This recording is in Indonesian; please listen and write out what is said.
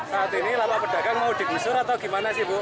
saat ini lapak pedagang mau digusur atau gimana sih bu